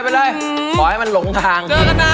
ขอให้มันหลงทาง